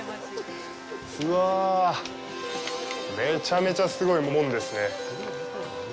うわあ、めちゃめちゃすごい門ですね。